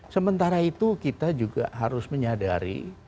sementara itu kita juga harus menyadari